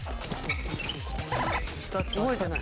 覚えてない。